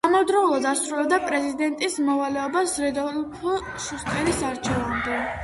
ამავდროულად ასრულებდა პრეზიდენტის მოვალეობას რუდოლფ შუსტერის არჩევამდე.